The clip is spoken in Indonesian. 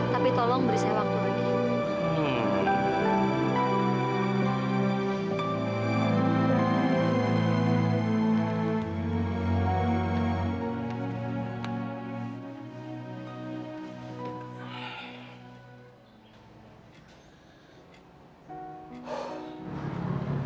tapi tolong beri saya waktu lagi